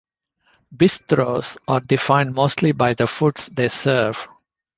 Bistros are defined mostly by the foods they serve.